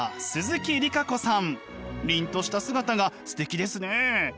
凛とした姿がすてきですね。